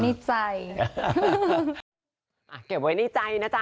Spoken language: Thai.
เข้าใจบไว้ในใจนะจ๊ะ